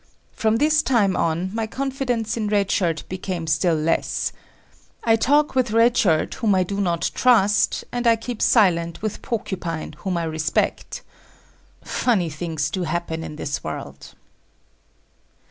From this time on, my confidence in Red Shirt became still less. I talk with Red Shirt whom I do not trust, and I keep silent with Porcupine whom I respect. Funny things do happen in this world.